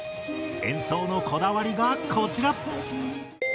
演奏のこだわりがこちら。